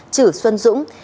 chử xuân dũng